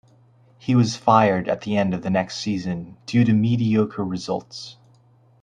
He was fired at the end of the next season due to mediocre results.